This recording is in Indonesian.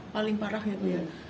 paling parahnya itu ya